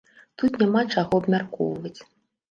Тут няма чаго абмяркоўваць.